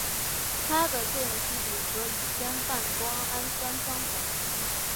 它的作用机理和乙酰半胱氨酸相同。